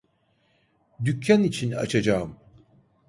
Dükkan için açacağım.